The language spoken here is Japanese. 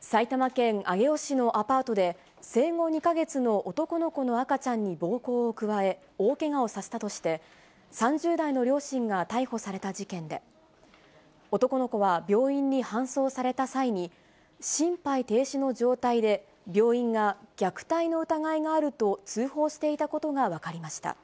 埼玉県上尾市のアパートで、生後２か月の男の子の赤ちゃんに暴行を加え、大けがをさせたとして、３０代の両親が逮捕された事件で、男の子は病院に搬送された際に、心肺停止の状態で病院が虐待の疑いがあると通報していたことが分かりました。